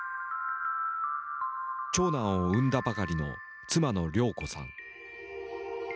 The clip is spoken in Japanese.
長男を産んだばかりの妻の良子さん。